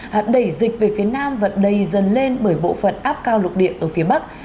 hạt đầy dịch về phía nam vẫn đầy dần lên bởi bộ phận áp cao lục điện ở phía bắc